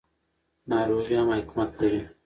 ناروغي هم حکمت لري.